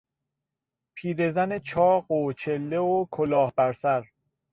پیرزن چاق و چله و کلاه بر سر